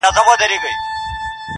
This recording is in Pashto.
او کارونه د بل چا کوي,